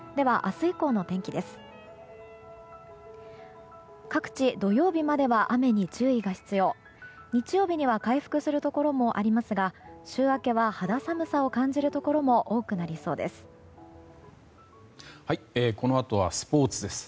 日曜日には回復するところもありますが週明けは肌寒さを感じるところも多くなりそうです。